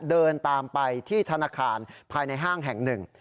เดินตามไปที่ธนาคารภายในห้างแห่งหนึ่ง